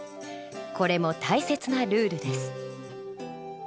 これも大切なルールです。